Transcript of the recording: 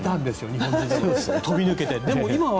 日本人には飛び抜けて。